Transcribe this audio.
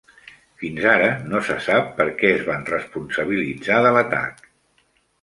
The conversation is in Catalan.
Fins ara no se sap per què es van responsabilitzar de l'atac.